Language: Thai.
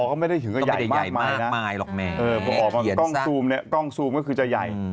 อ๋อก็ไม่ได้ถือว่าย่ายมากมายนะถ้าเปล่าข้างซูมก็คือจะใหญ่